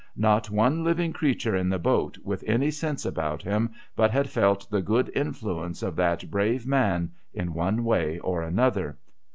Not one living creature in the boat, with any sense about him, but had felt the good influence of that brave man in one way or another.